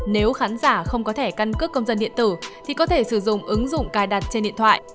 nếu khán giả không có thẻ căn cước công dân điện tử thì có thể sử dụng ứng dụng cài đặt trên điện thoại